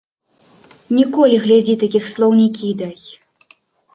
Ніколі, глядзі, такіх слоў не кідай.